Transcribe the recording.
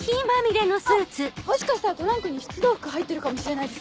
あっもしかしたらトランクに出動服入ってるかもしれないです。